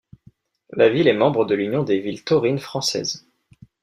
La ville est membre de l'Union des villes taurines françaises.